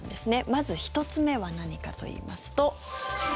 まず１つ目は何かといいますと。